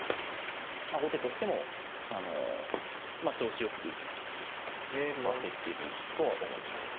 後手としても調子よく指せてるとは思います。